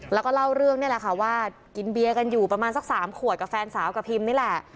แล้วก็เล่าเรื่องนี่แหละค่ะว่ากินเบียร์กันอยู่ประมาณสัก๓ขวดกับแฟนสาวกับพิมนี่แหละ